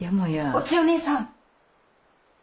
お千代ねえさん！